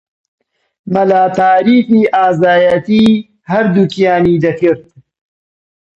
مەلا تاریفی ئازایەتیی هەردووکیانی دەکرد